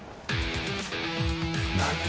何！？